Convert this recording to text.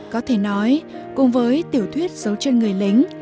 có thể nói cùng với tiểu thuyết dấu chân người lính